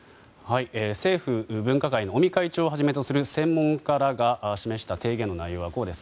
政府分科会の尾身会長をはじめとする専門家らが示した提言の内容はこうです。